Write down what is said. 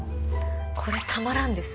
これたまらんです。